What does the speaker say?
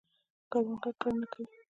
کروندګر کرنه کوي.